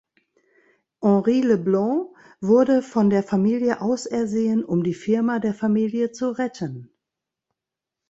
Henri Leblanc wurde von der Familie ausersehen, um die Firma der Familie zu retten.